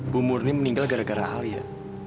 bu murni meninggal gara gara alia